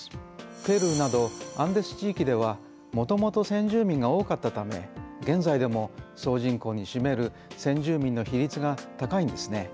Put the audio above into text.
ペルーなどアンデス地域ではもともと先住民が多かったため現在でも総人口に占める先住民の比率が高いんですね。